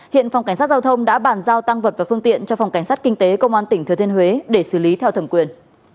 hiện phòng cảnh sát giao thông đã bàn giao tăng vật và phương tiện cho phòng cảnh sát kinh tế công an tỉnh thừa thiên huế để xử lý theo thẩm quyền